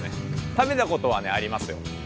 食べたことはありますよ。